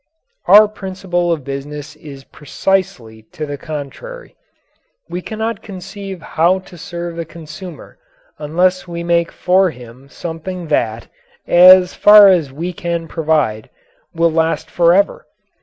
Our principle of business is precisely to the contrary. We cannot conceive how to serve the consumer unless we make for him something that, as far as we can provide, will last forever.